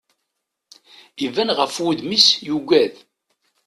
Iban ɣef wudem-is yugad.